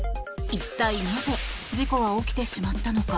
一体なぜ事故は起きてしまったのか。